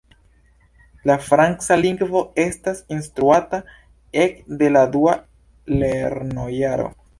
La franca lingvo estas instruata ek de la dua lernojaro.